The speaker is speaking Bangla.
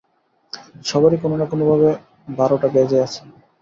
সবারই কোনো না কোনোভাবে বারোটা বেজে আছে।